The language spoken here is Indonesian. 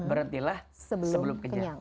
berhentilah sebelum kenyang